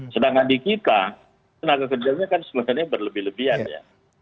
sedangkan di kita tenaga kerjanya kan sebenarnya berlebihan ya